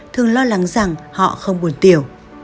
thường lo lắng rằng họ không buồn tiểu